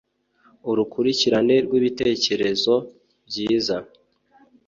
Urukurikirane rwibitekerezo byiza